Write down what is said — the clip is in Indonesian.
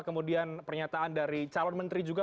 kemudian pernyataan dari calon menteri juga